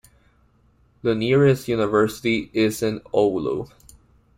The nearest university is in Oulu.